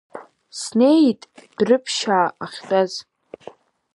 Снеит дәрыԥшьаа ахьтәаз.